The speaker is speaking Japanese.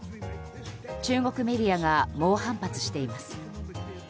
中国メディアが猛反発しています。